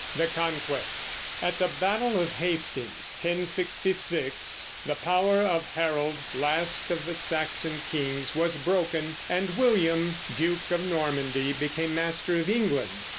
THE CONQUEST. At the battle of Hastings (1066) the power of Harold, last of the Saxon kings, was broken, and William, duke of Normandy, became master of England.